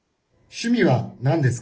「趣味は何ですか」。